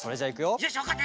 よしわかった。